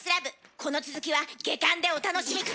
この続きは下巻でお楽しみ下さい。